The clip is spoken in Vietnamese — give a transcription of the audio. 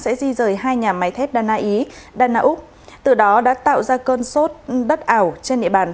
sẽ di rời hai nhà máy thép đa na ý đà nẵng úc từ đó đã tạo ra cơn sốt đất ảo trên địa bàn